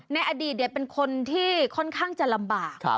ในอดีตเป็นคนที่ค่อนข้างจะลำบาก